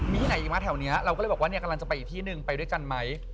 มีที่ไหนอีกมาแถวนี้เราก็เลยบอกว่าเนี่ยกำลังจะไปอีกที่นึงไปด้วยกันไหม